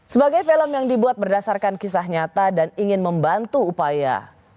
sebagai film yang dibuat berdasarkan kisah nyata dan ingin membantu upaya